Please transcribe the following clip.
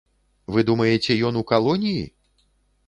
Вы думаеце, ён у калоніі?